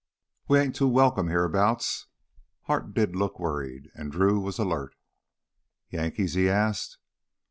"We ain't too welcome hereabouts." Hart did look worried, and Drew was alert. "Yankees?" he asked.